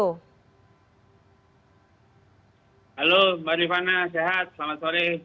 halo mbak rifana sehat selamat sore